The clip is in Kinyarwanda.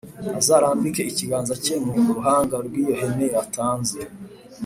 Azarambike ikiganza cye mu ruhanga rw iyo hene yatanze